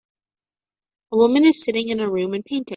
A woman is sitting in a room and painting.